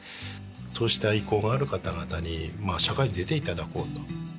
そうした意向がある方々に社会に出ていただこうと。